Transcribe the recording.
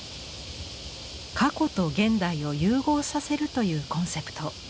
過去と現代を融合させるというコンセプト。